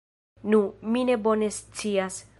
Nu, mi ne bone scias.